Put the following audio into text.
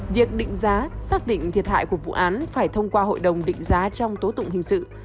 việc định giá xác định thiệt hại của vụ án phải thông qua hội đồng định giá trong tố tụng hình sự